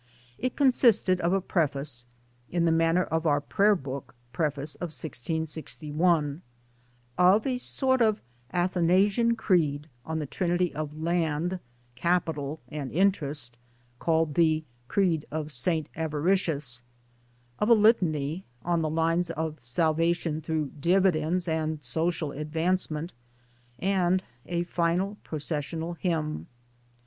It consisted of a Preface, in the manner of our Prayer book Preface of 1 66 1, of a sort of Athanasian Creed (on the Trinity of Land, Capital and Interest) called the creed of St. Avaritius, of a Litany (on the lines of salvation through dividends and social advancement), and a final Processional ,Hymn.